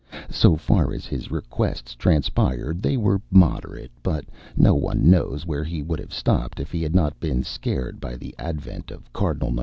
So far as his requests transpired they were moderate, but no one knows where he would have stopped if he had not been scared by the advent of Cardinal No.